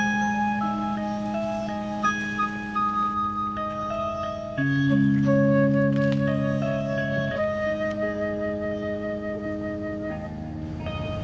pernyataan kamu sobat